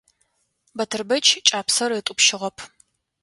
Батырбэч кӀапсэр ытӀупщыгъэп.